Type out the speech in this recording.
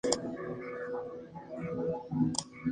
Al regresar a la Tierra, fue testigo de cómo Odin golpeaba a Thor.